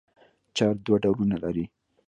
چارج دوه ډولونه لري.